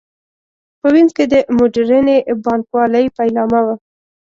په وینز کې د موډرنې بانک والۍ پیلامه وه.